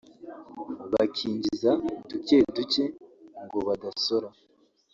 bakinjiza duke duke ngo badasora